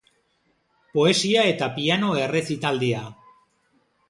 Poesia eta piano errezitaldia.